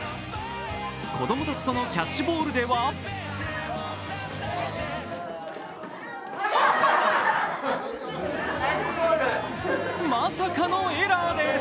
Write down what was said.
子供たちとのキャッチボールではまさかのエラーです。